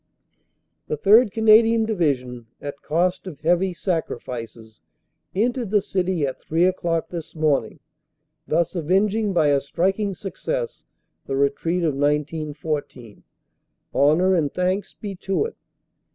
"The 3rd. Canadian Division, at cost of heavy sacrifices, entered the city at three o clock this morning, thus avenging by a striking success the retreat of 1914. Honor and thanks be to it!